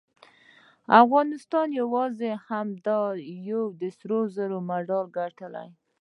افغانستان یواځې همدا یو د سرو زرو مډال ګټلی